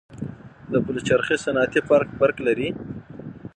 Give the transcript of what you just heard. د پلچرخي صنعتي پارک برق لري؟